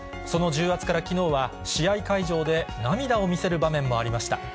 その重圧からきのうは試合会場で涙を見せる場面もありました。